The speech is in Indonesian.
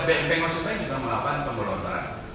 bank bank maksud saya kita melakukan pembelontaran